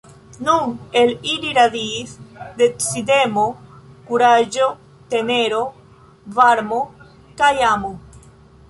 Nun el ili radiis decidemo, kuraĝo, tenero, varmo kaj amo.